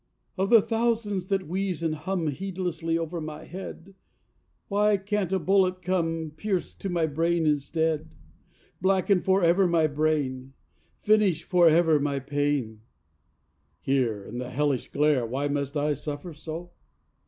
... Of the thousands that wheeze and hum Heedlessly over my head, Why can't a bullet come, Pierce to my brain instead, Blacken forever my brain, Finish forever my pain? Here in the hellish glare Why must I suffer so?